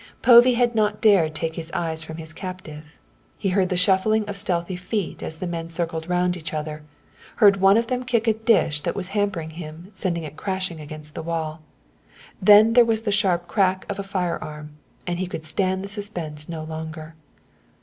Povey had not dared take his eyes from his captive; he heard the shuffling of stealthy feet as the men circled round each other, heard one of them kick a dish that was hampering him, sending it crashing against the wall. Then there was the sharp crack of a firearm, and he could stand the suspense no longer.